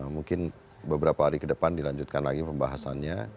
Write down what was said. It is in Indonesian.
mungkin beberapa hari ke depan dilanjutkan lagi pembahasannya